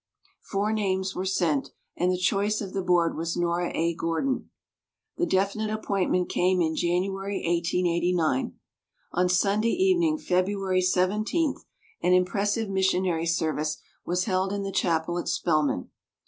Four names were sent, and the choice of the board was Xora A. Gordon The definite appointment came in January, 1889. On Sunday even ing, February 17, an impressive missionary service was held in the chapel at Spelman.